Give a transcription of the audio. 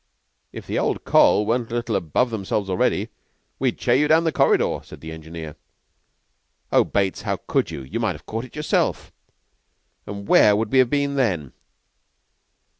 "If the old Coll. weren't a little above themselves already, we'd chair you down the corridor," said the Engineer. "Oh, Bates, how could you? You might have caught it yourself, and where would we have been, then?"